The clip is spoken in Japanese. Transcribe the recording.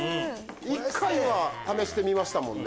１回は試してみましたもんね。